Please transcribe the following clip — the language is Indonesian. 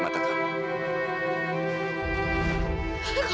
mak pun memberi apa apa